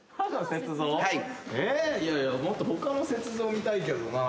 えいやいやもっと他の雪像見たいけどなぁ。